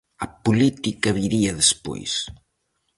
A política viría despois.